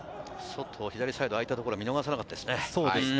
左サイド空いたところ、見逃さなかったですね。